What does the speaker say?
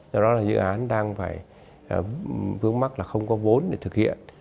do đó là dự án đang phải vướng mắt là không có vốn để thực hiện